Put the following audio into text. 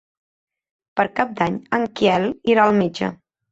Per Cap d'Any en Quel irà al metge.